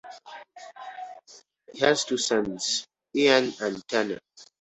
He has two sons, Ian and Tanner.